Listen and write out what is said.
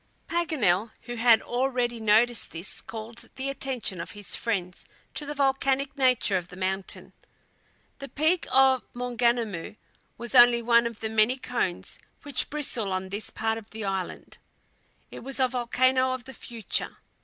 Paganel, who had already noticed this, called the attention of his friends to the volcanic nature of the mountain. The peak of Maunganamu was only one of the many cones which bristle on this part of the island. It was a volcano of the future.